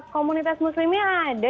komunitas muslimnya ada